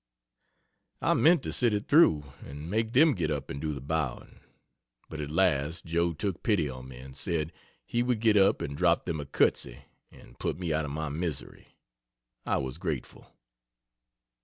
I meant to sit it through and make them get up and do the bowing; but at last Joe took pity on me and said he would get up and drop them a curtsy and put me out of my misery. I was grateful.